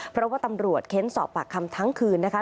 เพราะว่าตำรวจเค้นสอบปากคำทั้งคืนนะคะ